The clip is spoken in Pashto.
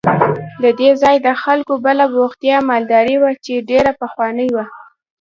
د دې ځای د خلکو بله بوختیا مالداري وه چې ډېره پخوانۍ وه.